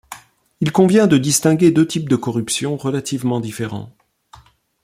Il convient de distinguer deux types de corruption relativement différents.